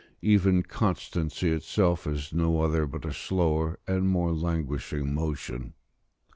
Even constancy itself is no other but a slower and more languishing motion.